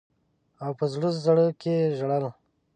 او په زړه زړه کي ژړل.